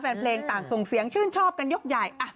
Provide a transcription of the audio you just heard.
แฟนเพลงต่างส่งเสียงชื่นชอบกันยกใหญ่